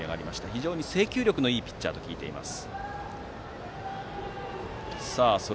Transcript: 非常に制球力のいいピッチャーと聞いています。